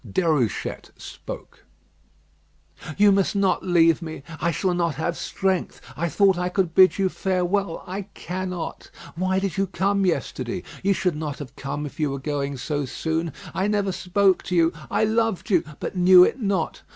Déruchette spoke. "You must not leave me. I shall not have strength. I thought I could bid you farewell. I cannot. Why did you come yesterday? You should not have come if you were going so soon. I never spoke to you. I loved you; but knew it not.